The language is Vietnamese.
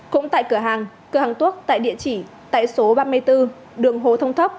cũng tại cửa hàng cửa hàng thuốc tại địa chỉ tại số ba mươi bốn đường hồ thông thóc